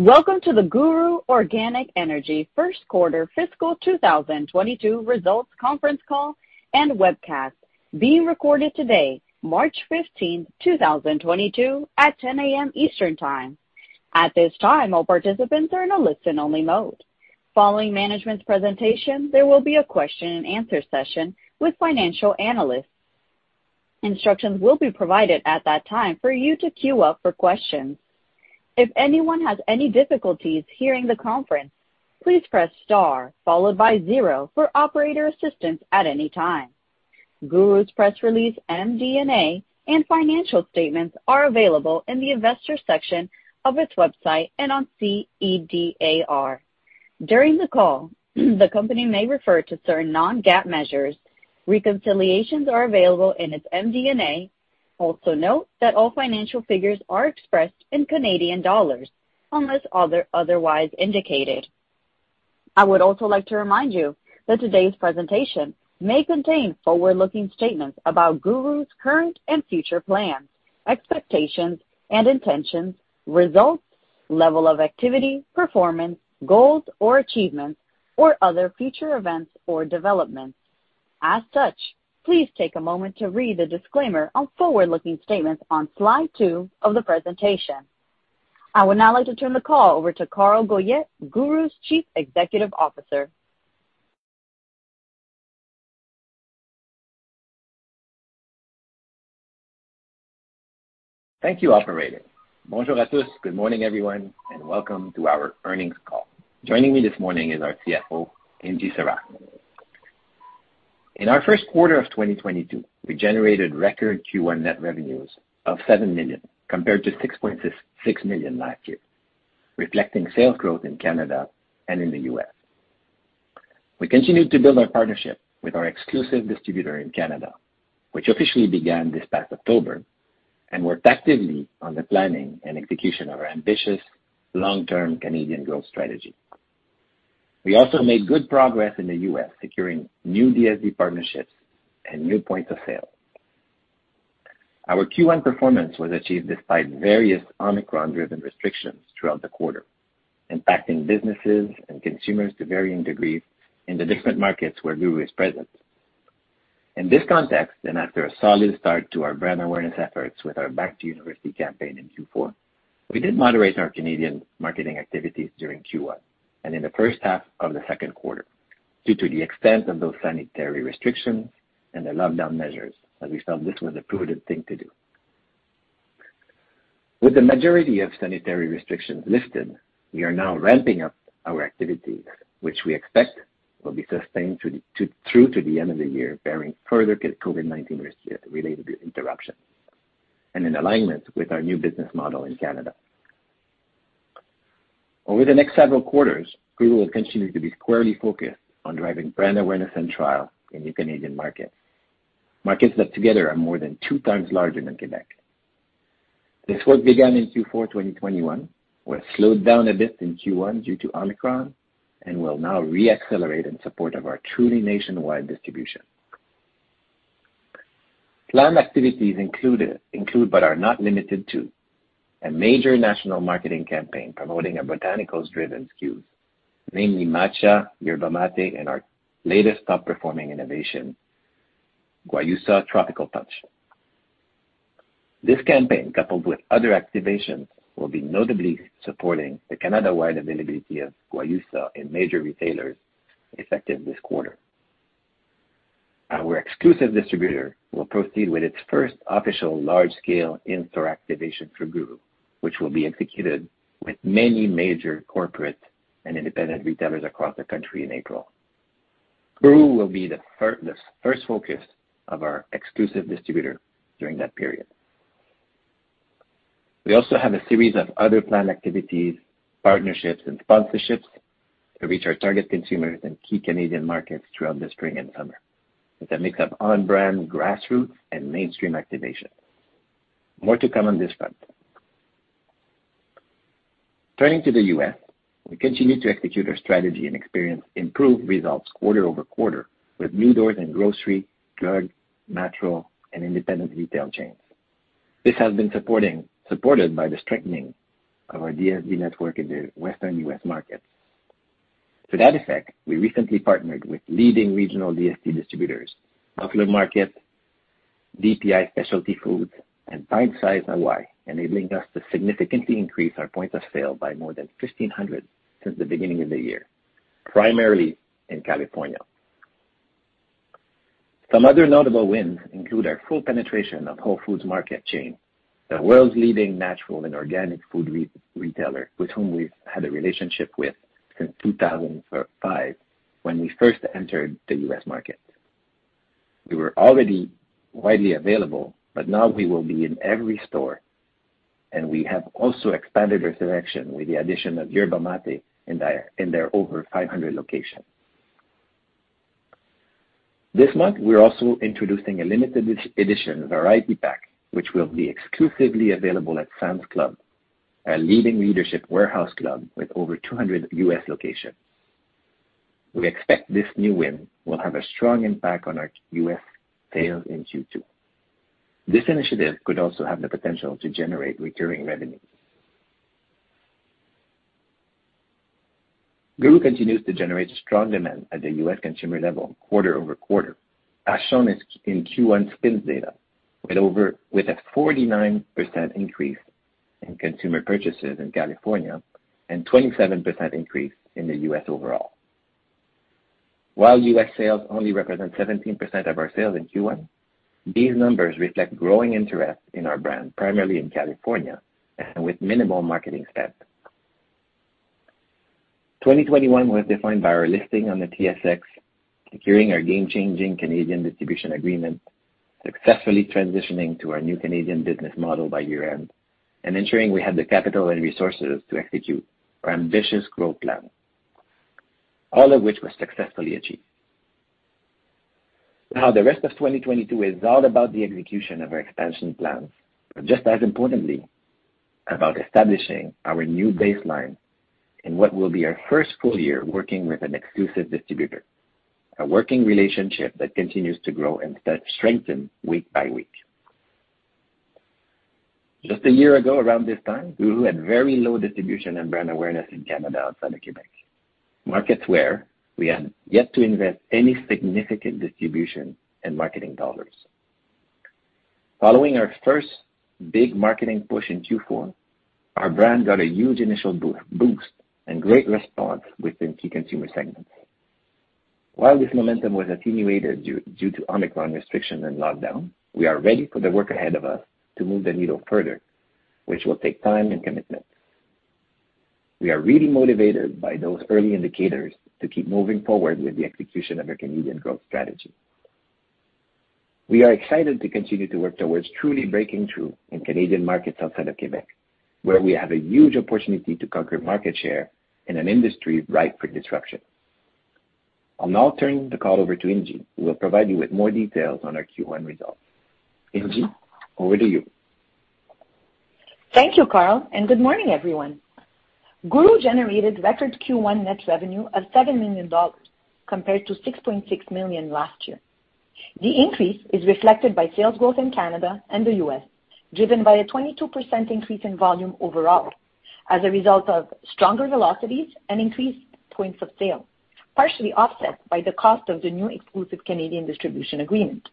Welcome to the GURU Organic Energy first quarter fiscal 2022 results conference call and webcast, being recorded today, March 15, 2022 at 10 A.M. Eastern Time. At this time, all participants are in a listen only mode. Following management's presentation, there will be a question and answer session with financial analysts. Instructions will be provided at that time for you to queue up for questions. If anyone has any difficulties hearing the conference, please press star followed by zero for operator assistance at any time. GURU's press release and MD&A and financial statements are available in the Investor section of its website and on SEDAR. During the call, the company may refer to certain non-GAAP measures. Reconciliations are available in its MD&A. Also note that all financial figures are expressed in Canadian dollars unless otherwise indicated. I would also like to remind you that today's presentation may contain forward-looking statements about GURU's current and future plans, expectations and intentions, results, level of activity, performance, goals or achievements or other future events or developments. As such, please take a moment to read the disclaimer on forward-looking statements on slide two of the presentation. I would now like to turn the call over to Carl Goyette, GURU's Chief Executive Officer. Thank you, operator. Good morning, everyone, and welcome to our earnings call. Joining me this morning is our CFO, Ingy Sarraf. In our first quarter of 2022, we generated record Q1 net revenues of 7 million, compared to 6.66 million last year, reflecting sales growth in Canada and in the U.S. We continued to build our partnership with our exclusive distributor in Canada, which officially began this past October, and worked actively on the planning and execution of our ambitious long-term Canadian growth strategy. We also made good progress in the U.S., securing new DSD partnerships and new points of sale. Our Q1 performance was achieved despite various Omicron-driven restrictions throughout the quarter, impacting businesses and consumers to varying degrees in the different markets where GURU is present. In this context, after a solid start to our brand awareness efforts with our Back to University campaign in Q4, we did moderate our Canadian marketing activities during Q1 and in the first half of the second quarter, due to the extent of those sanitary restrictions and the lockdown measures, as we felt this was a prudent thing to do. With the majority of sanitary restrictions lifted, we are now ramping up our activities, which we expect will be sustained through to the end of the year, barring further COVID-19 re-related interruptions and in alignment with our new business model in Canada. Over the next several quarters, GURU will continue to be squarely focused on driving brand awareness and trial in the Canadian market. Markets that together are more than two times larger than Quebec. This work began in Q4 2021, was slowed down a bit in Q1 due to Omicron, and will now re-accelerate in support of our truly nationwide distribution. Planned activities include but are not limited to a major national marketing campaign promoting our botanicals-driven SKUs, namely Matcha, Yerba Mate, and our latest top-performing innovation, Guayusa Tropical Punch. This campaign, coupled with other activations, will be notably supporting the Canada-wide availability of Guayusa in major retailers effective this quarter. Our exclusive distributor will proceed with its first official large-scale in-store activation for GURU, which will be executed with many major corporate and independent retailers across the country in April. GURU will be the first focus of our exclusive distributor during that period. We also have a series of other planned activities, partnerships and sponsorships to reach our target consumers in key Canadian markets throughout the spring and summer, with a mix of on-brand grassroots and mainstream activation. More to come on this front. Turning to the U.S., we continue to execute our strategy and experience improved results quarter-over-quarter with new doors in grocery, drug, natural and independent retail chains. This has been supported by the strengthening of our DSD network in the Western U.S. market. To that effect, we recently partnered with leading regional DSD distributors Popular Market, DPI Specialty Foods, and Pint Size Hawaii, enabling us to significantly increase our points of sale by more than 1,500 since the beginning of the year, primarily in California. Some other notable wins include our full penetration of Whole Foods Market chain, the world's leading natural and organic food retailer, with whom we've had a relationship with since 2005 when we first entered the U.S. market. We were already widely available, but now we will be in every store, and we have also expanded our selection with the addition of Yerba Mate in their over 500 locations. This month, we're also introducing a limited edition variety pack, which will be exclusively available at Sam's Club, a leading membership warehouse club with over 200 U.S. locations. We expect this new win will have a strong impact on our U.S. sales in Q2. This initiative could also have the potential to generate recurring revenue. GURU continues to generate strong demand at the U.S. consumer level quarter-over-quarter, as shown in Q1 SPINS data, with a 49% increase in consumer purchases in California and 27% increase in the U.S. overall. While U.S. sales only represent 17% of our sales in Q1, these numbers reflect growing interest in our brand, primarily in California, and with minimal marketing spend. 2021 was defined by our listing on the TSX, securing our game-changing Canadian distribution agreement, successfully transitioning to our new Canadian business model by year-end, and ensuring we have the capital and resources to execute our ambitious growth plan, all of which was successfully achieved. Now, the rest of 2022 is all about the execution of our expansion plans, but just as importantly, about establishing our new baseline in what will be our first full year working with an exclusive distributor, a working relationship that continues to grow and strengthen week by week. Just a year ago, around this time, GURU had very low distribution and brand awareness in Canada outside of Quebec, markets where we have yet to invest any significant distribution and marketing dollars. Following our first big marketing push in Q4, our brand got a huge initial boost and great response within key consumer segments. While this momentum was attenuated due to Omicron restrictions and lockdown, we are ready for the work ahead of us to move the needle further, which will take time and commitment. We are really motivated by those early indicators to keep moving forward with the execution of our Canadian growth strategy. We are excited to continue to work towards truly breaking through in Canadian markets outside of Quebec, where we have a huge opportunity to conquer market share in an industry ripe for disruption. I'll now turn the call over to Ingy, who will provide you with more details on our Q1 results. Ingy, over to you. Thank you, Carl, and good morning, everyone. GURU generated record Q1 net revenue of 7 million dollars compared to 6.6 million last year. The increase is reflected by sales growth in Canada and the U.S., driven by a 22% increase in volume overall as a result of stronger velocities and increased points of sale, partially offset by the cost of the new exclusive Canadian distribution agreement.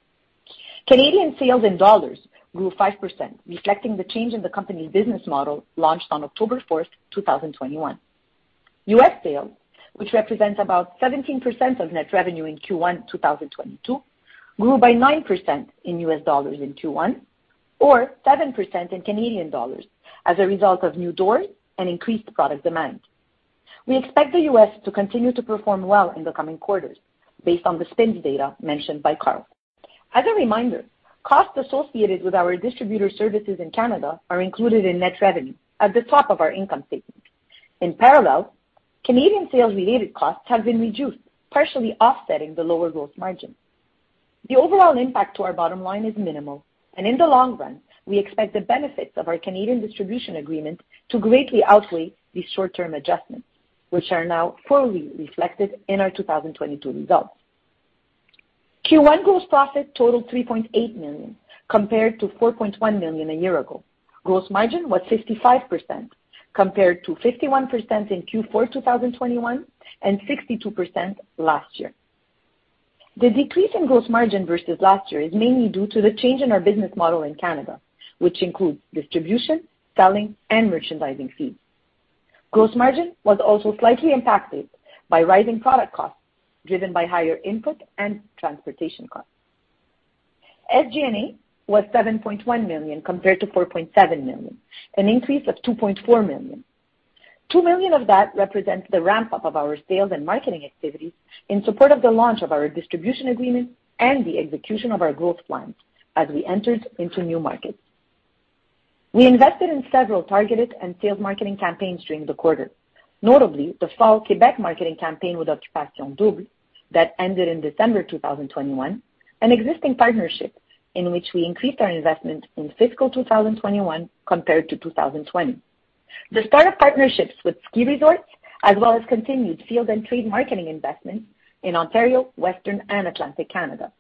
Canadian sales in dollars grew 5%, reflecting the change in the company's business model launched on October 4, 2021. U.S. sales, which represents about 17% of net revenue in Q1 2022, grew by 9% in U.S. dollars in Q1 or 7% in Canadian dollars as a result of new doors and increased product demand. We expect the U.S. to continue to perform well in the coming quarters based on the SPINS data mentioned by Carl. As a reminder, costs associated with our distributor services in Canada are included in net revenue at the top of our income statement. In parallel, Canadian sales-related costs have been reduced, partially offsetting the lower gross margin. The overall impact to our bottom line is minimal, and in the long run, we expect the benefits of our Canadian distribution agreement to greatly outweigh these short-term adjustments, which are now fully reflected in our 2022 results. Q1 gross profit totaled 3.8 million, compared to 4.1 million a year ago. Gross margin was 55%, compared to 51% in Q4 2021 and 62% last year. The decrease in gross margin versus last year is mainly due to the change in our business model in Canada, which includes distribution, selling, and merchandising fees. Gross margin was also slightly impacted by rising product costs given by higher input and transportation costs. SG&A was 7.1 million compared to 4.7 million, an increase of 2.4 million. 2 million of that represents the ramp-up of our sales and marketing activities in support of the launch of our distribution agreement and the execution of our growth plans as we entered into new markets. We invested in several targeted and sales marketing campaigns during the quarter. Notably, the fall Quebec marketing campaign with Occupation Double that ended in December 2021, an existing partnership in which we increased our investment in fiscal 2021 compared to 2020. The start of partnerships with ski resorts, as well as continued field and trade marketing investments in Ontario, Western, and Atlantic Canada.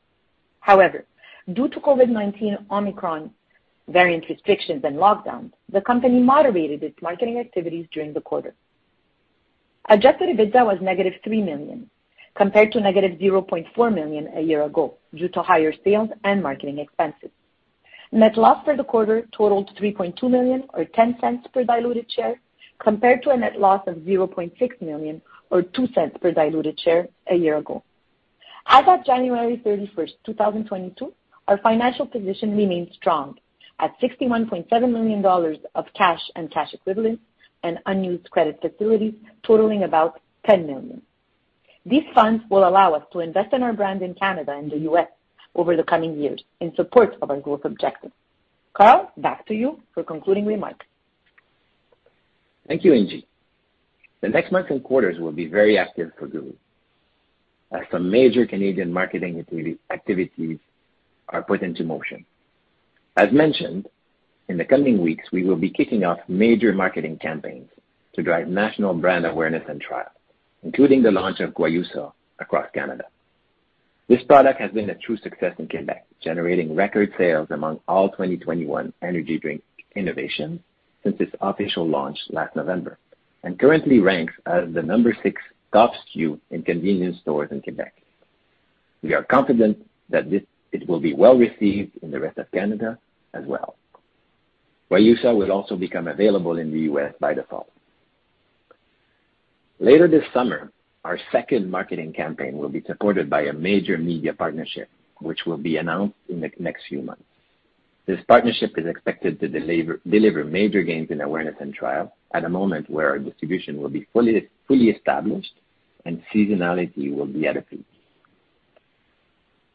However, due to COVID-19 Omicron variant restrictions and lockdowns, the company moderated its marketing activities during the quarter. Adjusted EBITDA was -3 million, compared to -0.4 million a year ago due to higher sales and marketing expenses. Net loss for the quarter totaled 3.2 million or 0.10 per diluted share, compared to a net loss of 0.6 million or 0.02 per diluted share a year ago. As of January 31, 2022, our financial position remains strong at 61.7 million dollars of cash and cash equivalents and unused credit facilities totaling about 10 million. These funds will allow us to invest in our brand in Canada and the U.S. over the coming years in support of our growth objectives. Carl, back to you for concluding remarks. Thank you, Ingy. The next months and quarters will be very active for GURU as some major Canadian marketing activities are put into motion. As mentioned, in the coming weeks, we will be kicking off major marketing campaigns to drive national brand awareness and trial, including the launch of Guayusa across Canada. This product has been a true success in Quebec, generating record sales among all 2021 energy drink innovations since its official launch last November, and currently ranks as the number six top SKU in convenience stores in Quebec. We are confident that it will be well received in the rest of Canada as well. Guayusa will also become available in the U.S. by the fall. Later this summer, our second marketing campaign will be supported by a major media partnership, which will be announced in the next few months. This partnership is expected to deliver major gains in awareness and trial at a moment where our distribution will be fully established and seasonality will be at a peak.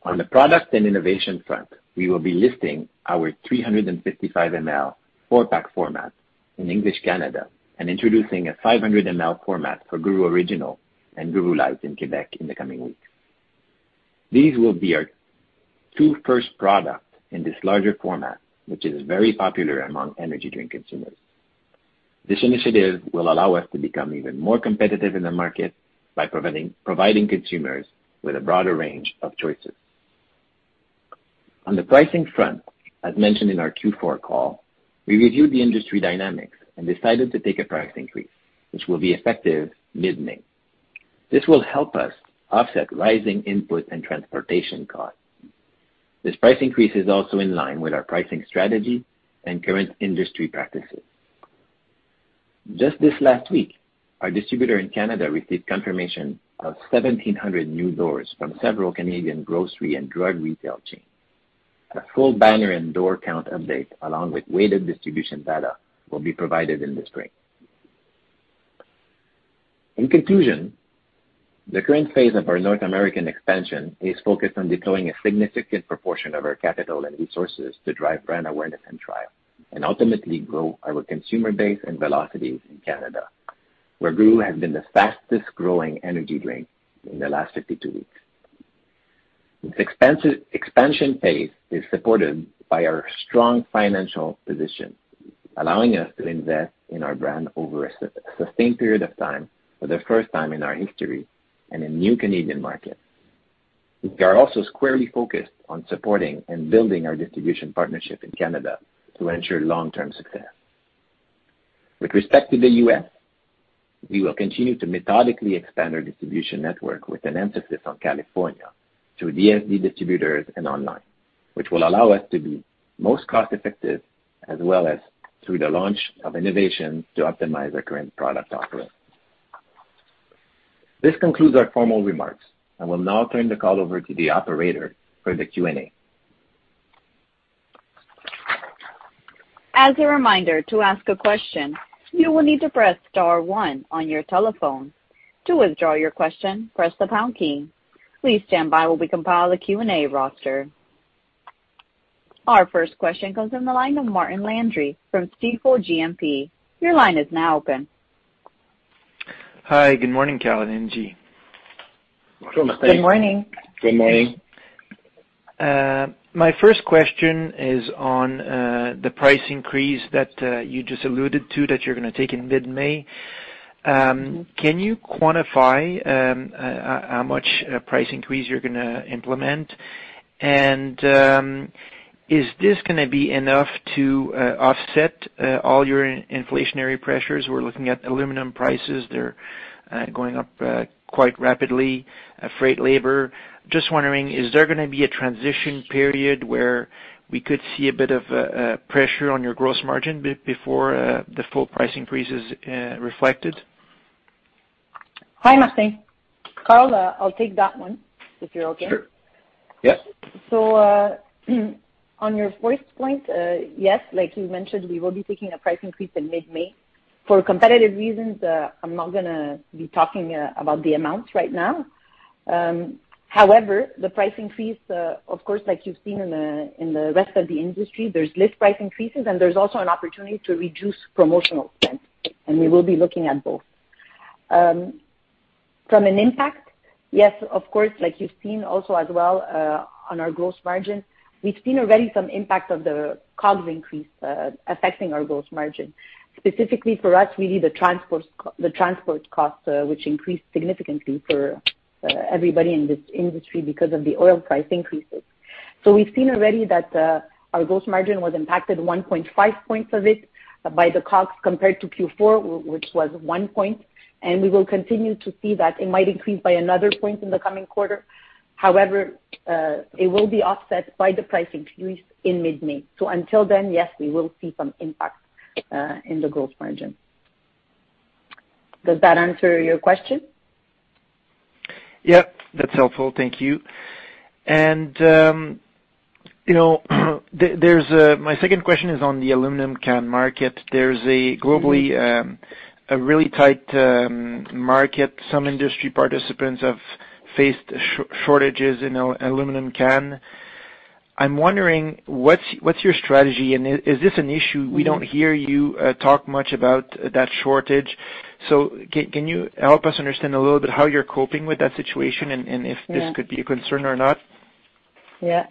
On the product and innovation front, we will be listing our 355 ml four-pack format in English Canada, and introducing a 500 ml format for GURU Original and GURU Lite in Quebec in the coming weeks. These will be our two first products in this larger format, which is very popular among energy drink consumers. This initiative will allow us to become even more competitive in the market by providing consumers with a broader range of choices. On the pricing front, as mentioned in our Q4 call, we reviewed the industry dynamics and decided to take a price increase, which will be effective mid-May. This will help us offset rising input and transportation costs. This price increase is also in line with our pricing strategy and current industry practices. Just this last week, our distributor in Canada received confirmation of 1,700 new doors from several Canadian grocery and drug retail chains. A full banner and door count update, along with weighted distribution data, will be provided in the spring. In conclusion, the current phase of our North American expansion is focused on deploying a significant proportion of our capital and resources to drive brand awareness and trial, and ultimately grow our consumer base and velocities in Canada, where GURU has been the fastest growing energy drink in the last 52 weeks. This expansion phase is supported by our strong financial position, allowing us to invest in our brand over a sustained period of time for the first time in our history in a new Canadian market. We are also squarely focused on supporting and building our distribution partnership in Canada to ensure long-term success. With respect to the U.S., we will continue to methodically expand our distribution network with an emphasis on California through DSD distributors and online, which will allow us to be most cost effective, as well as through the launch of innovation to optimize our current product offering. This concludes our formal remarks, and we'll now turn the call over to the operator for the Q&A. As a reminder, to ask a question, you will need to press star one on your telephone. To withdraw your question, press the pound key. Please stand by while we compile a Q&A roster. Our first question comes in the line of Martin Landry from Stifel GMP. Your line is now open. Hi. Good morning, Carl and Ingy. Good morning. Good morning. My first question is on the price increase that you just alluded to that you're gonna take in mid-May. Can you quantify how much a price increase you're gonna implement? Is this gonna be enough to offset all your inflationary pressures? We're looking at aluminum prices, they're going up quite rapidly. Freight, labor. Just wondering, is there gonna be a transition period where we could see a bit of pressure on your gross margin before the full price increase is reflected? Hi, Martin. Carl, I'll take that one, if you're okay. Sure. Yes. On your first point, yes, like you mentioned, we will be taking a price increase in mid-May. For competitive reasons, I'm not gonna be talking about the amounts right now. However, the price increase, of course, like you've seen in the rest of the industry, there's list price increases, and there's also an opportunity to reduce promotional spend, and we will be looking at both. From an impact, yes, of course, like you've seen also as well, on our gross margin, we've seen already some impact of the COGS increase affecting our gross margin. Specifically for us, really the transport costs, which increased significantly for everybody in this industry because of the oil price increases. We've seen already that our gross margin was impacted 1.5 points of it by the COGS compared to Q4, which was 1 point, and we will continue to see that. It might increase by another point in the coming quarter. However, it will be offset by the price increase in mid-May. Until then, yes, we will see some impact in the gross margin. Does that answer your question? Yep, that's helpful. Thank you. you know, there's my second question is on the aluminum can market. There's a global really tight market. Some industry participants have faced shortages in aluminum cans. I'm wondering what's your strategy? Is this an issue? We don't hear you talk much about that shortage. Can you help us understand a little bit how you're coping with that situation and if this could be a concern or not? Yeah.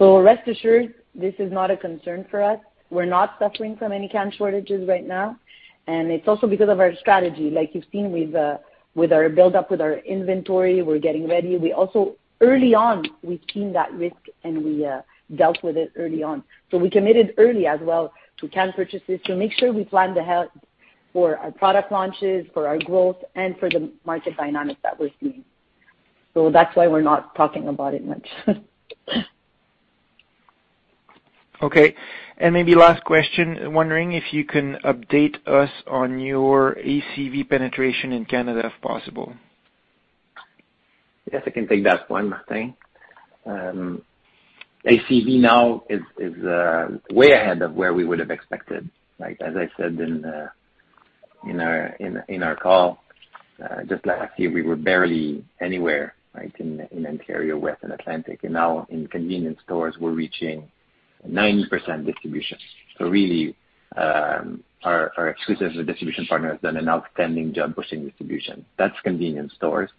Rest assured, this is not a concern for us. We're not suffering from any can shortages right now, and it's also because of our strategy. Like you've seen with our build-up with our inventory, we're getting ready. We also early on, we've seen that risk, and we dealt with it early on. We committed early as well to can purchases to make sure we plan to have for our product launches, for our growth, and for the market dynamics that we're seeing. That's why we're not talking about it much. Okay. Maybe last question, wondering if you can update us on your ACV penetration in Canada, if possible? Yes, I can take that one, Martin. ACV now is way ahead of where we would have expected, right? As I said in our call just last year we were barely anywhere, right? In Ontario, West, and Atlantic. Now in convenience stores, we're reaching 90% distribution. Really, our exclusive distribution partner has done an outstanding job pushing distribution. That's convenience stores.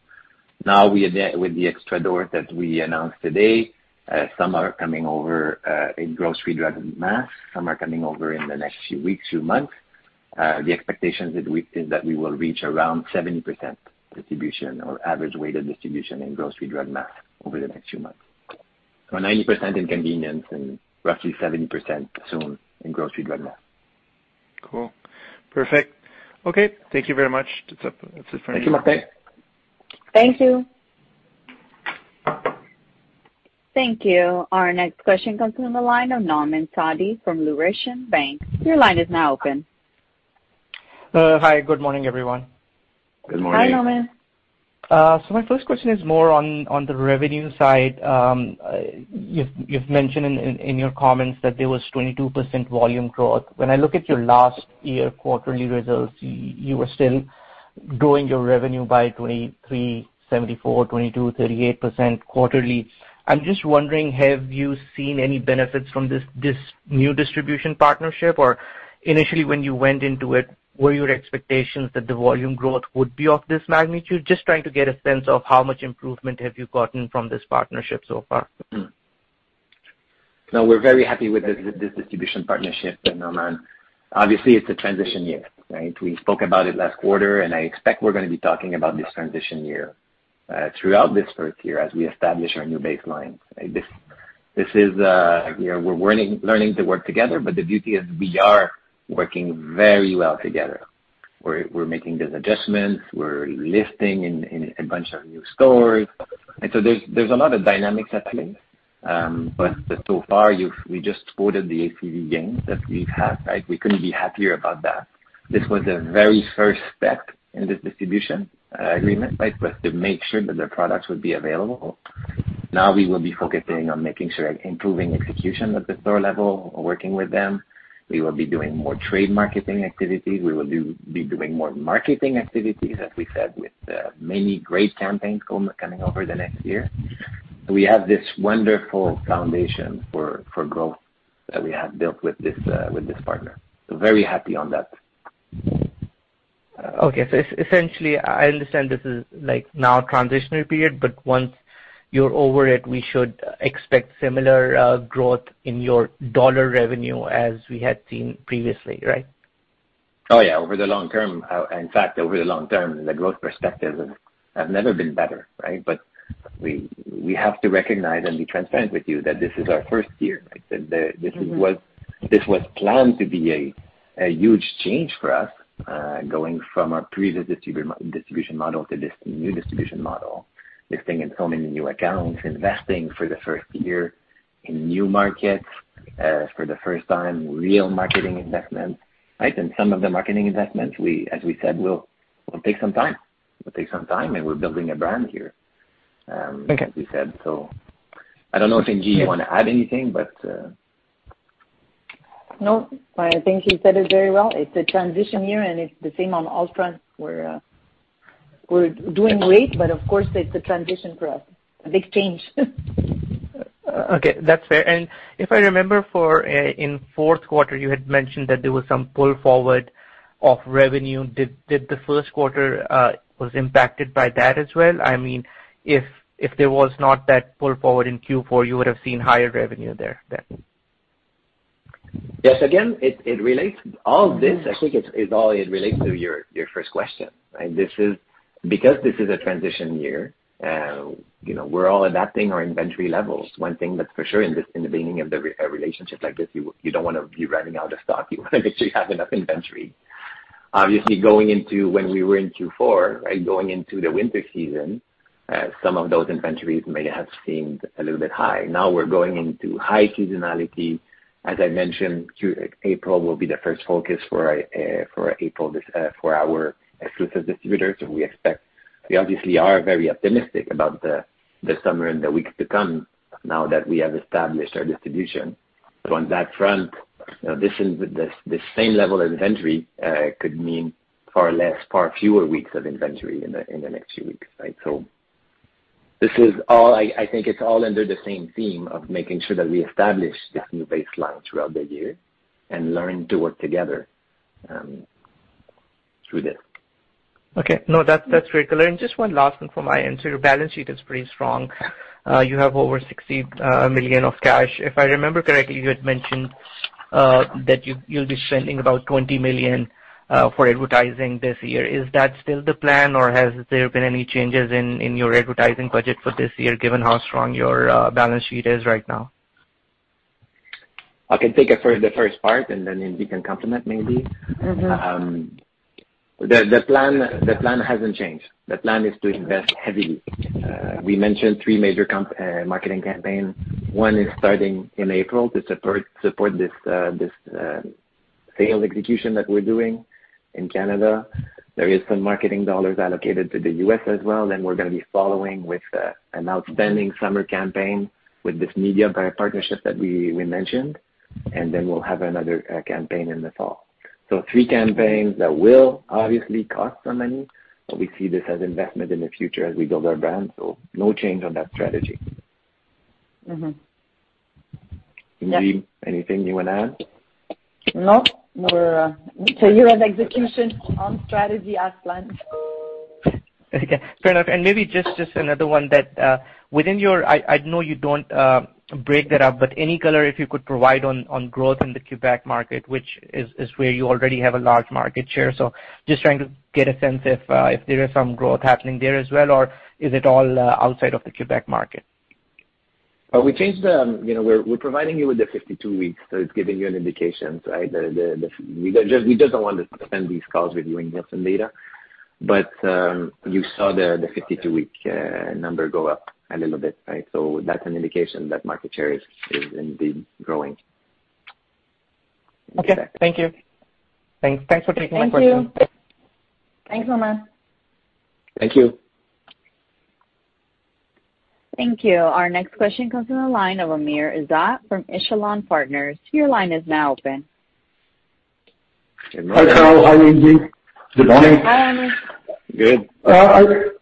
Now, with the extra door that we announced today, some are coming over in grocery drug and mass. Some are coming over in the next few weeks, few months. The expectations that we will reach around 70% distribution or average weighted distribution in grocery drug mass over the next few months. 90% in convenience and roughly 70% soon in grocery drug mass. Cool. Perfect. Okay. Thank you very much. That's it for now. Thank you, Martin. Thank you. Thank you. Our next question comes from the line of Nauman Satti from Laurentian Bank. Your line is now open. Hi, good morning, everyone. Good morning. Hi, Nauman. My first question is more on the revenue side. You've mentioned in your comments that there was 22% volume growth. When I look at your last year quarterly results, you were still growing your revenue by 23%, 74%, 22%, 38% quarterly. I'm just wondering, have you seen any benefits from this new distribution partnership? Initially when you went into it, were your expectations that the volume growth would be of this magnitude? Just trying to get a sense of how much improvement have you gotten from this partnership so far. No, we're very happy with this distribution partnership, Nauman. Obviously, it's a transition year, right? We spoke about it last quarter, and I expect we're gonna be talking about this transition year throughout this first year as we establish our new baseline. This is you know, we're learning to work together, but the beauty is we are working very well together. We're making these adjustments, we're listing in a bunch of new stores. There's a lot of dynamics at play. But so far, we just quoted the ACV gains that we've had, right? We couldn't be happier about that. This was the very first step in this distribution agreement, right? It was to make sure that the products would be available. Now we will be focusing on making sure improving execution at the store level, working with them. We will be doing more trade marketing activities. We will be doing more marketing activities, as we said, with many great campaigns coming over the next year. We have this wonderful foundation for growth that we have built with this partner. Very happy on that. Okay. Essentially, I understand this is like now a transitional period, but once you're over it, we should expect similar growth in your dollar revenue as we had seen previously, right? Oh, yeah. Over the long term. In fact, over the long term, the growth perspectives have never been better, right? We have to recognize and be transparent with you that this is our first year, right? This is what. Mm-hmm. This was planned to be a huge change for us, going from our previous distribution model to this new distribution model, listing in so many new accounts, investing for the first year in new markets, for the first time, real marketing investments, right? Some of the marketing investments, we, as we said, will take some time, and we're building a brand here. Okay. As we said. I don't know if, Ingy, you wanna add anything, but. No, I think he said it very well. It's a transition year, and it's the same on all fronts. We're doing great, but of course, it's a transition for us, a big change. Okay, that's fair. If I remember in fourth quarter, you had mentioned that there was some pull forward of revenue. Did the first quarter was impacted by that as well? I mean, if there was not that pull forward in Q4, you would have seen higher revenue there then. Yes. Again, it relates all this. I think it all relates to your first question, right? This is because this is a transition year, you know, we're all adapting our inventory levels. One thing that's for sure in the beginning of a relationship like this, you don't wanna be running out of stock. You wanna make sure you have enough inventory. Obviously, going into Q4, right, going into the winter season, some of those inventories may have seemed a little bit high. Now we're going into high seasonality. As I mentioned, Q1 April will be the first focus for our exclusive distributors, and we obviously are very optimistic about the summer and the weeks to come now that we have established our distribution. On that front, you know, this is the same level of inventory could mean far less, far fewer weeks of inventory in the next few weeks, right? This is all. I think it's all under the same theme of making sure that we establish this new baseline throughout the year and learn to work together through this. Okay. No, that's very clear. Just one last one from my end. Your balance sheet is pretty strong. You have over 60 million of cash. If I remember correctly, you had mentioned that you'll be spending about 20 million for advertising this year. Is that still the plan, or has there been any changes in your advertising budget for this year, given how strong your balance sheet is right now? I can take it for the first part, and then Ingy can complement maybe. Mm-hmm. The plan hasn't changed. The plan is to invest heavily. We mentioned three major marketing campaigns. One is starting in April to support this sales execution that we're doing in Canada. There is some marketing dollars allocated to the U.S. as well. We're gonna be following with an outstanding summer campaign with this media partner partnership that we mentioned. We'll have another campaign in the fall. Three campaigns that will obviously cost some money, but we see this as investment in the future as we build our brand, so no change on that strategy. Mm-hmm. Yeah. Ingy, anything you wanna add? No. We're so you have execution on strategy as planned. Okay. Fair enough. Maybe just another one. I know you don't break that up, but any color if you could provide on growth in the Quebec market, which is where you already have a large market share. Just trying to get a sense if there is some growth happening there as well, or is it all outside of the Quebec market? We changed the, we're providing you with the 52 weeks, so it's giving you an indication, right? We don't just we didn't want to spend these calls reviewing Nielsen data. You saw the 52-week number go up a little bit, right? That's an indication that market share is indeed growing. Okay. Thank you. Thanks. Thanks for taking my question. Thanks, Nauman. Thank you. Thank you. Our next question comes from the line of Amr Ezzat from Echelon Wealth Partners. Your line is now open. Good morning. Hi, Carl. Hi, Ingy. Good morning. Hi, Amr. Good.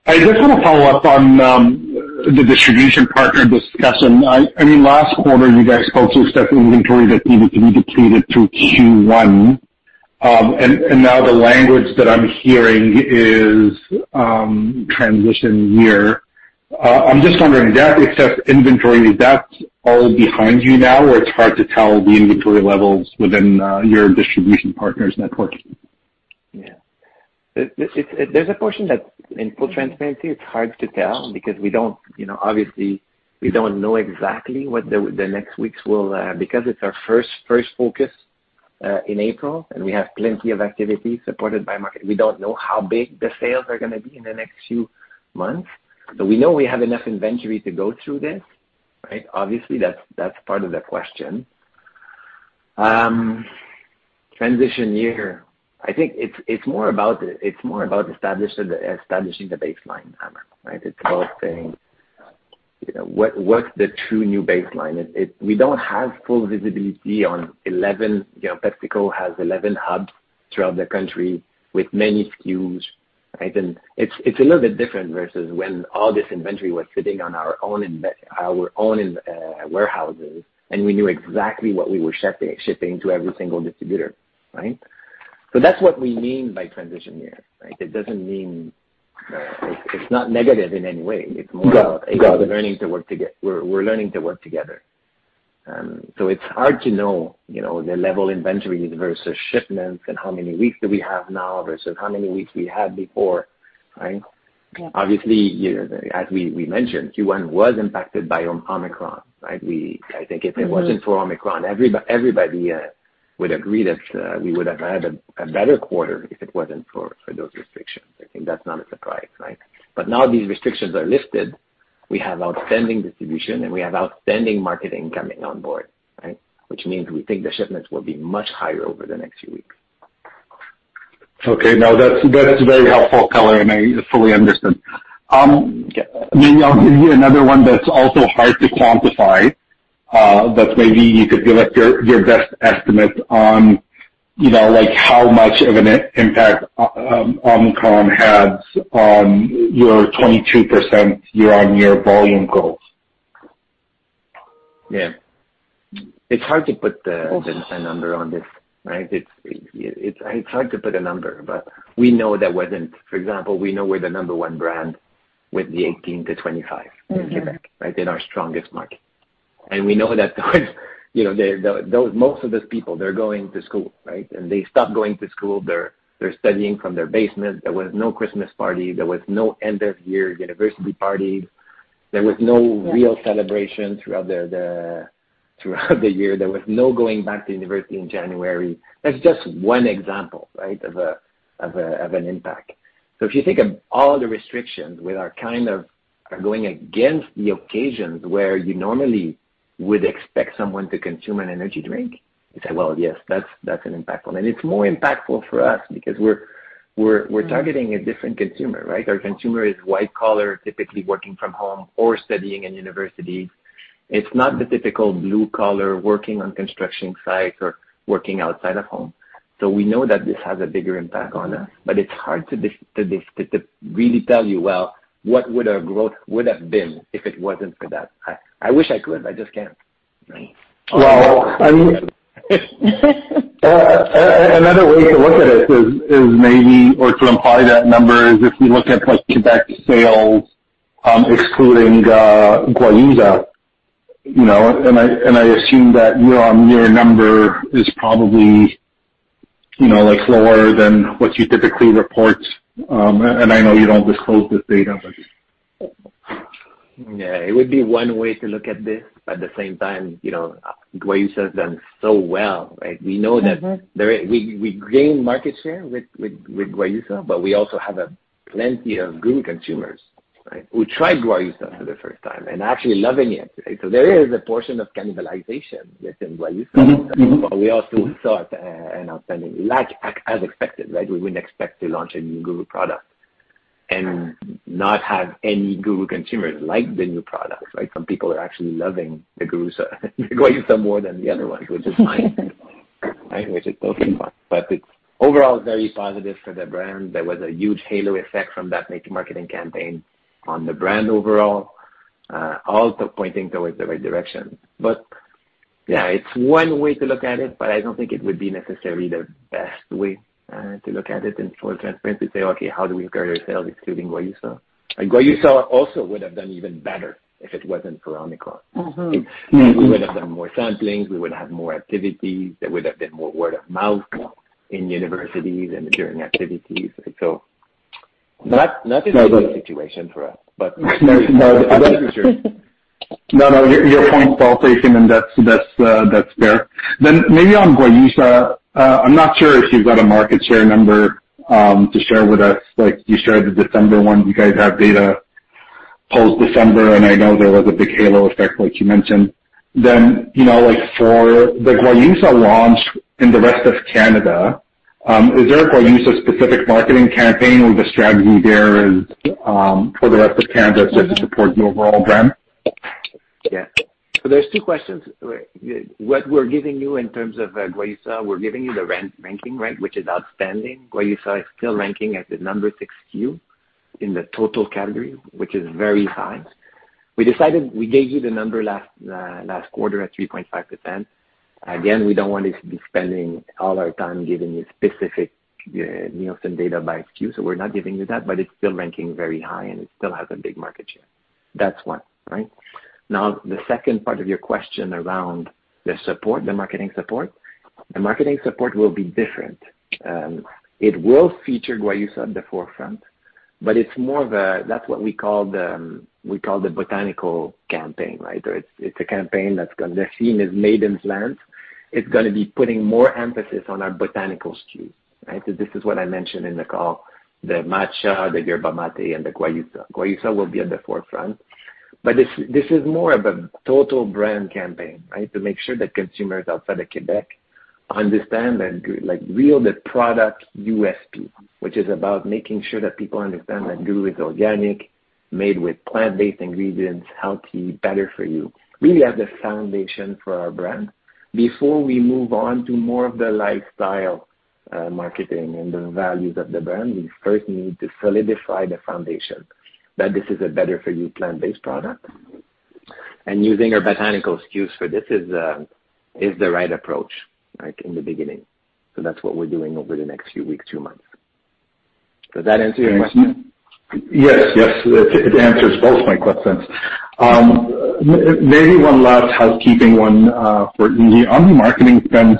I just wanna follow up on the distribution partner discussion. I mean, last quarter, you guys spoke to excess inventory that needed to be depleted through Q1. Now the language that I'm hearing is transition year. I'm just wondering, that excess inventory, is that all behind you now, or it's hard to tell the inventory levels within your distribution partners network? There's a portion that, in full transparency, it's hard to tell because we don't, you know, obviously, we don't know exactly what the next weeks will. Because it's our first focus in April, and we have plenty of activity supported by market. We don't know how big the sales are gonna be in the next few months. We know we have enough inventory to go through this, right? Obviously, that's part of the question. Transition year, I think it's more about establishing the baseline, Amr, right? It's about saying, you know, what's the true new baseline? We don't have full visibility on 11, you know, PepsiCo has 11 hubs throughout the country with many SKUs, right? It's a little bit different versus when all this inventory was sitting on our own warehouses, and we knew exactly what we were shipping to every single distributor, right? That's what we mean by transition year, right? It doesn't mean it's not negative in any way. No. It's more about, again, we're learning to work together. So it's hard to know, you know, the level inventories versus shipments and how many weeks do we have now versus how many weeks we had before, right? Yeah. Obviously, you know, as we mentioned, Q1 was impacted by Omicron, right? Mm-hmm. I think if it wasn't for Omicron, everybody would agree that we would have had a better quarter if it wasn't for those restrictions. I think that's not a surprise, right? Now these restrictions are lifted, we have outstanding distribution, and we have outstanding marketing coming on board, right? Which means we think the shipments will be much higher over the next few weeks. Okay. No, that's very helpful color, and I fully understand. Yeah. Maybe I'll give you another one that's also hard to quantify, but maybe you could give us your best estimate on, you know, like how much of an impact Omicron had on your 22% year-on-year volume growth. Yeah. It's hard to put the. Okay. The number on this, right? It's hard to put a number, but we know that wasn't. For example, we know we're the number one brand with the 18-25- Mm-hmm. In Quebec, right? In our strongest market. We know that those, you know, most of those people, they're going to school, right? They stop going to school. They're studying from their basement. There was no Christmas party. There was no end of year university party. There was no Yeah. Real celebration throughout the year. There was no going back to university in January. That's just one example, right? Of an impact. If you think of all the restrictions which are kind of going against the occasions where you normally would expect someone to consume an energy drink, you say, well, yes, that's an impact on it. It's more impactful for us because we're. Mm. We're targeting a different consumer, right? Our consumer is white-collar, typically working from home or studying in university. It's not the typical blue-collar working on construction sites or working outside of home. We know that this has a bigger impact on us, but it's hard to just to really tell you, well, what would our growth would have been if it wasn't for that. I wish I could, but I just can't. Right. Well, I mean another way to look at it is maybe or to imply that number is if we look at like Quebec sales, excluding Guayusa, you know, and I assume that year-on-year number is probably, you know, lower than what you typically report, and I know you don't disclose this data, but. Yeah. It would be one way to look at this. At the same time, you know, Guayusa has done so well, right? We know that there. We gained market share with Guayusa, but we also have a plenty of GURU consumers, right, who tried Guayusa for the first time and actually loving it, right? There is a portion of cannibalization within Guayusa. Mm-hmm. We also saw an outstanding like as expected, right? We wouldn't expect to launch a new GURU product and not have any GURU consumers like the new product, right? Some people are actually loving the Guayusa more than the other ones, which is fine, right? Which is totally fine. It's overall very positive for the brand. There was a huge halo effect from that marketing campaign on the brand overall, all pointing towards the right direction. Yeah, it's one way to look at it, but I don't think it would be necessarily the best way to look at it in full transparency to say, okay, how do we grow our sales excluding Guayusa? Guayusa also would have done even better if it wasn't for Omicron. Mm-hmm. Mm-hmm. We would have done more samplings. We would have more activities. There would have been more word of mouth in universities and during activities. Not the ideal situation for us, but. No, no. Your point's well taken, and that's fair. Maybe on Guayusa, I'm not sure if you've got a market share number to share with us like you shared the December one. You guys have data post-December, and I know there was a big halo effect like you mentioned. You know, like, for the Guayusa launch in the rest of Canada, is there a Guayusa-specific marketing campaign or the strategy there is for the rest of Canada just to support the overall brand? Yeah. There's two questions. What we're giving you in terms of Guayusa, we're giving you the ranking rank, which is outstanding. Guayusa is still ranking as the number six SKU in the total category, which is very high. We decided we gave you the number last quarter at 3.5%. Again, we don't want to be spending all our time giving you specific Nielsen data by SKU, so we're not giving you that, but it's still ranking very high, and it still has a big market share. That's one, right? Now, the second part of your question around the support, the marketing support. The marketing support will be different. It will feature Guayusa at the forefront, but it's more of a. That's what we call the botanical campaign, right? It's a campaign that's gonna. The theme is Made with Plants. It's gonna be putting more emphasis on our botanical SKUs, right? This is what I mentioned in the call, the Matcha, the Yerba Mate, and the Guayusa. Guayusa will be at the forefront. This is more of a total brand campaign, right? To make sure that consumers outside of Quebec understand that like really the product USP, which is about making sure that people understand that GURU is organic, made with plant-based ingredients, healthy, better for you, really as a foundation for our brand. Before we move on to more of the lifestyle, marketing and the values of the brand, we first need to solidify the foundation, that this is a better for you plant-based product. Using our botanical SKUs for this is the right approach, right, in the beginning. That's what we're doing over the next few weeks to months. Does that answer your question? Yes. Yes. It answers both my questions. Maybe one last housekeeping one for you. On the marketing spend,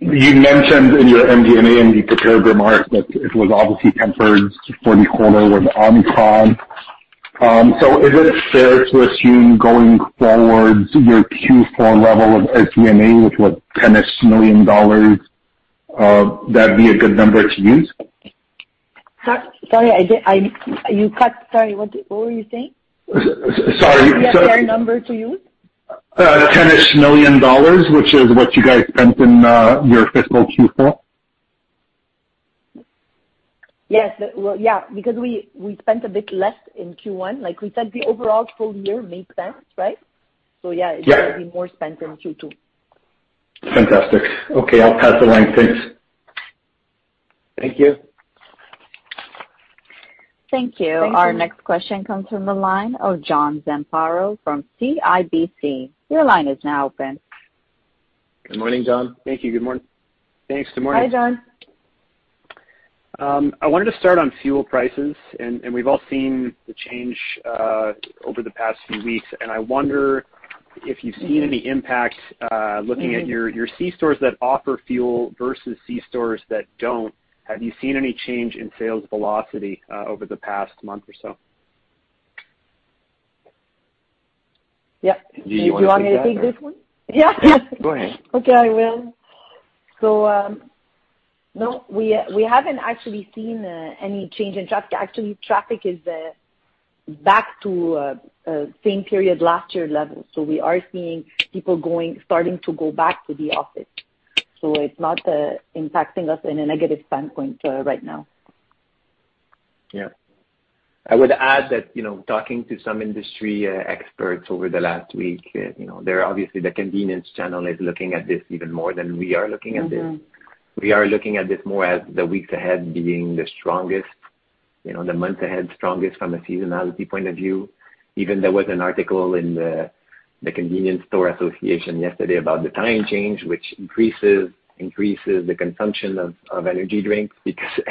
you mentioned in your MD&A, in the prepared remarks that it was obviously tempered for the quarter with Omicron. Is it fair to assume going forward your Q4 level of SG&A, which was CAD 10 million, that'd be a good number to use? Sorry. You cut. Sorry. What were you saying? S-s-sorry. Is that a fair number to use? $10-ish million, which is what you guys spent in your fiscal Q4. Yes. Well, yeah, because we spent a bit less in Q1. Like we said, the overall full year media spend, right? Yeah. Yeah. It's gonna be more spent in Q2. Fantastic. Okay, I'll pass the line. Thanks. Thank you. Thank you. Thank you. Our next question comes from the line of John Zamparo from CIBC. Your line is now open. Good morning, John. Thank you. Good morning. Thanks. Good morning. Hi, John. I wanted to start on fuel prices, and we've all seen the change over the past few weeks, and I wonder if you've seen any impact looking at your C stores that offer fuel versus C stores that don't. Have you seen any change in sales velocity over the past month or so? Yeah. Do you wanna take that? Do you want me to take this one? Yeah. Go ahead. Okay, I will. No, we haven't actually seen any change in traffic. Actually, traffic is back to same period last year level. We are seeing people starting to go back to the office. It's not impacting us in a negative standpoint right now. Yeah. I would add that, you know, talking to some industry experts over the last week, you know, they're obviously the convenience channel is looking at this even more than we are looking at this. Mm-hmm. We are looking at this more as the weeks ahead being the strongest, you know, the months ahead strongest from a seasonality point of view. There was an article in the Convenience Store Association yesterday about the time change, which increases the consumption of energy drinks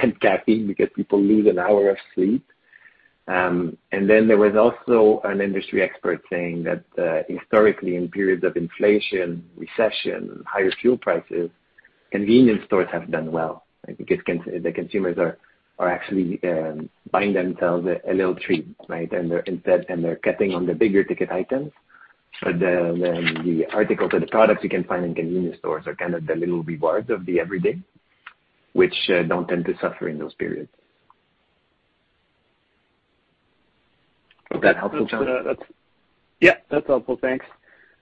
and caffeine because people lose an hour of sleep. Then there was also an industry expert saying that historically, in periods of inflation, recession, higher fuel prices, convenience stores have done well because the consumers are actually buying themselves a little treat, right? They're cutting back on the bigger ticket items. The articles or the products you can find in convenience stores are kind of the little rewards of the everyday, which don't tend to suffer in those periods. Was that helpful, John? Yeah, that's helpful. Thanks.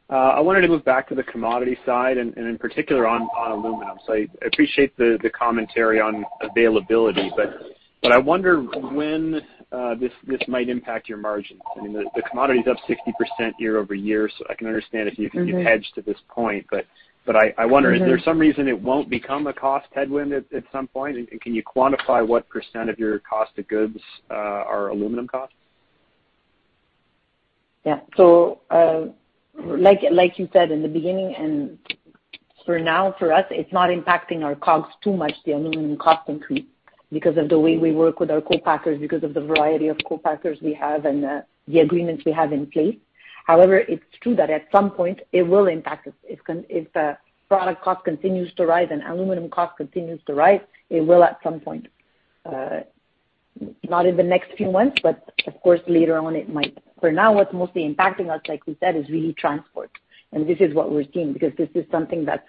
I wanted to move back to the commodity side and, in particular, on aluminum. I appreciate the commentary on availability, but I wonder when this might impact your margins. I mean, the commodity is up 60% year-over-year, so I can understand if you Mm-hmm If you've hedged to this point. I wonder. Mm-hmm Is there some reason it won't become a cost headwind at some point? Can you quantify what % of your cost of goods are aluminum costs? Yeah. Like you said in the beginning and for now, for us, it's not impacting our COGS too much, the aluminum cost increase, because of the way we work with our co-packers, because of the variety of co-packers we have and the agreements we have in place. However, it's true that at some point it will impact us. If product cost continues to rise and aluminum cost continues to rise, it will at some point. Not in the next few months, but of course, later on, it might. For now, what's mostly impacting us, like we said, is really transport. This is what we're seeing because this is something that's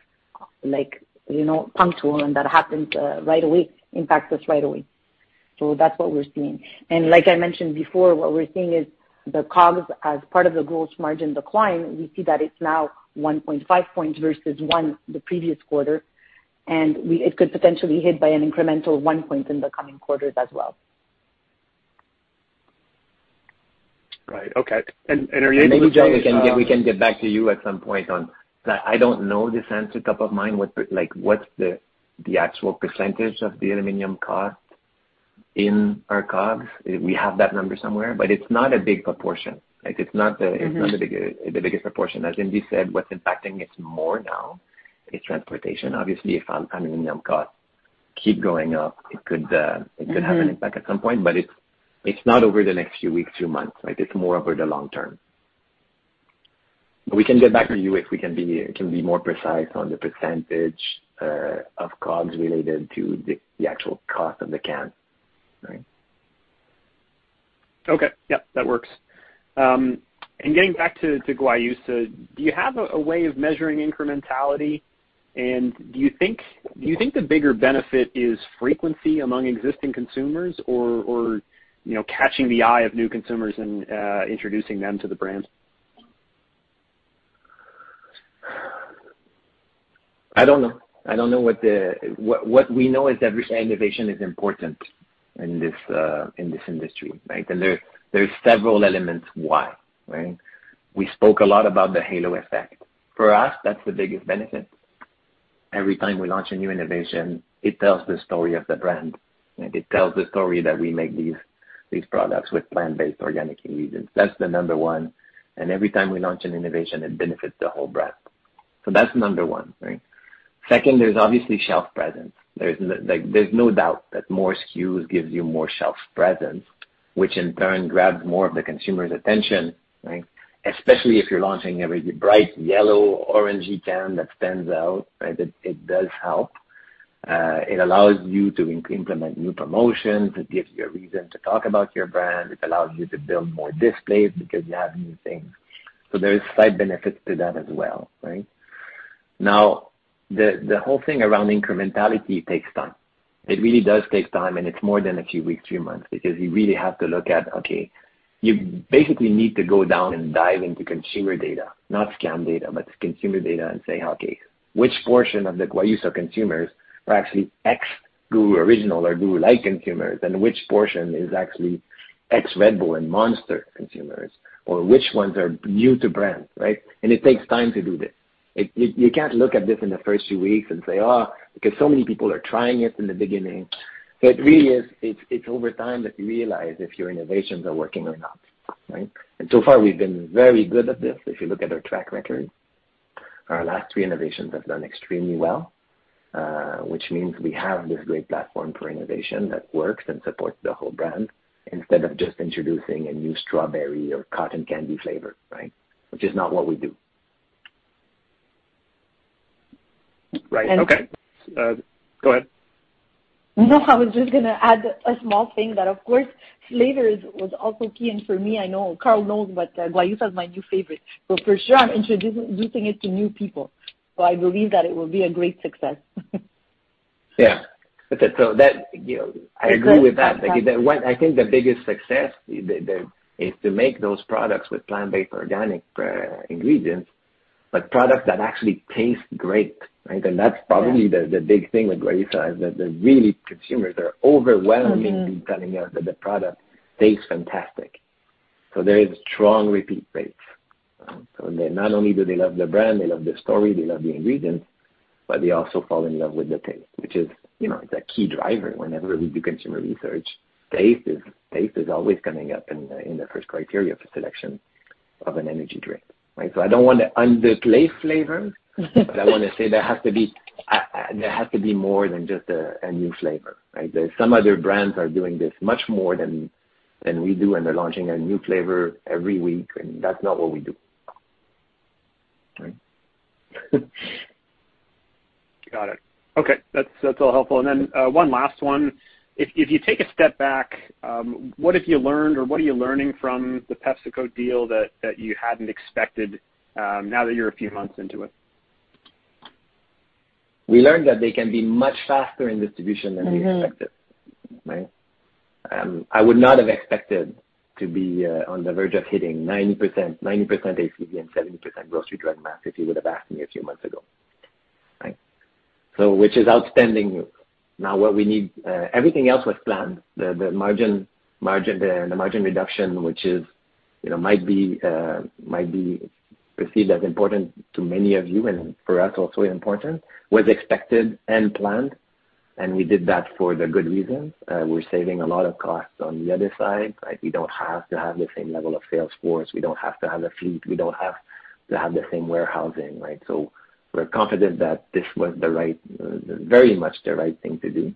like, you know, punctual and that happens right away, impacts us right away. That's what we're seeing. Like I mentioned before, what we're seeing is the COGS as part of the gross margin decline. We see that it's now 1.5 points versus 1 point in the previous quarter. It could potentially be hit by an incremental 1 point in the coming quarters as well. Right. Okay. Are you able to say Maybe, John, we can get back to you at some point on this. I don't know the answer top of mind, what's the actual percentage of the aluminum cost in our COGS. We have that number somewhere, but it's not a big proportion. Like, it's not the. Mm-hmm. It's not the biggest proportion. As Indy said, what's impacting us more now is transportation. Obviously, if aluminum costs keep going up, it could Mm-hmm It could have an impact at some point, but it's not over the next few weeks, few months, right? It's more over the long term. We can get back to you if we can be more precise on the percentage of COGS related to the actual cost of the can. Right? Okay. Yep, that works. Getting back to Guayusa, do you have a way of measuring incrementality? Do you think the bigger benefit is frequency among existing consumers or you know, catching the eye of new consumers and introducing them to the brand? What we know is every innovation is important in this industry, right? There are several elements why, right? We spoke a lot about the halo effect. For us, that's the biggest benefit. Every time we launch a new innovation, it tells the story of the brand, and it tells the story that we make these products with plant-based organic ingredients. That's number one. Every time we launch an innovation, it benefits the whole brand. That's number one, right? Second, there's obviously shelf presence. There's no doubt that more SKUs gives you more shelf presence, which in turn grabs more of the consumer's attention, right? Especially if you're launching a really bright yellow, orangey can that stands out, right? It does help. It allows you to implement new promotions. It gives you a reason to talk about your brand. It allows you to build more displays because you have new things. There's side benefits to that as well, right? Now, the whole thing around incrementality takes time. It really does take time, and it's more than a few weeks, few months, because you really have to look at, okay, you basically need to go down and dive into consumer data, not scan data, but consumer data and say, okay, which portion of the Guayusa consumers are actually ex-GURU Original or GURU Lite consumers, and which portion is actually ex-Red Bull and Monster consumers, or which ones are new to brand, right? It takes time to do this. You can't look at this in the first few weeks and say, "Oh, because so many people are trying it in the beginning." It really is over time that you realize if your innovations are working or not, right? So far, we've been very good at this. If you look at our track record, our last three innovations have done extremely well, which means we have this great platform for innovation that works and supports the whole brand instead of just introducing a new strawberry or cotton candy flavor, right? Which is not what we do. Right. Okay. And. Go ahead. No, I was just gonna add a small thing that of course flavor is, was also key. For me, I know Carl knows, but Guayusa is my new favorite. For sure, I'm introducing it to new people. I believe that it will be a great success. Yeah. That, you know, I agree with that. Like, I think the biggest success is to make those products with plant-based organic ingredients. Products that actually taste great, right? That's probably the big thing with GURU is that consumers are overwhelmingly telling us that the product tastes fantastic. There is strong repeat rates. They not only love the brand, they love the story, they love the ingredients, but they also fall in love with the taste, which is, you know, it's a key driver. Whenever we do consumer research, taste is always coming up in the first criteria for selection of an energy drink, right? I don't wanna underplay flavor. I wanna say there has to be. There has to be more than just a new flavor, right? There's some other brands are doing this much more than we do, and they're launching a new flavor every week, and that's not what we do. Right? Got it. Okay. That's all helpful. One last one. If you take a step back, what have you learned or what are you learning from the PepsiCo deal that you hadn't expected, now that you're a few months into it? We learned that they can be much faster in distribution than we expected, right? I would not have expected to be on the verge of hitting 90%, 90% ACV and 70% grocery, drug, mass if you would have asked me a few months ago, right? Which is outstanding. Everything else was planned. The margin reduction, which might be received as important to many of you and for us also important, was expected and planned, and we did that for the good reasons. We're saving a lot of costs on the other side, right? We don't have to have the same level of sales force. We don't have to have the fleet. We don't have to have the same warehousing, right? We're confident that this was the right, very much the right thing to do.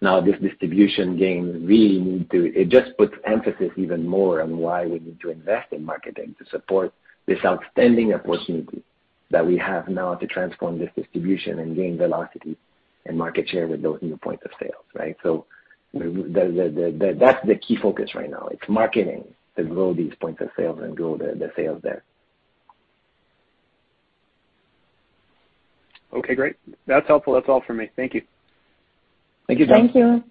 Now this distribution gain, it just puts emphasis even more on why we need to invest in marketing to support this outstanding opportunity that we have now to transform this distribution and gain velocity and market share with those new points of sales, right? That's the key focus right now. It's marketing to grow these points of sales and grow the sales there. Okay, great. That's helpful. That's all for me. Thank you. Thank you, John. Thank you.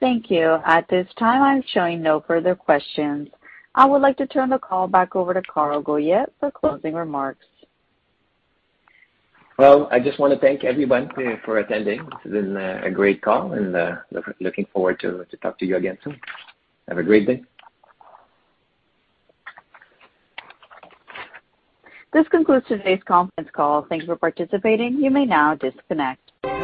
Thank you. At this time, I'm showing no further questions. I would like to turn the call back over to Carl Goyette for closing remarks. Well, I just wanna thank everyone for attending. This has been a great call and looking forward to talk to you again soon. Have a great day. This concludes today's conference call. Thank you for participating. You may now disconnect.